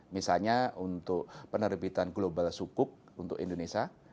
misalnya untuk penerbitan global sukuk untuk indonesia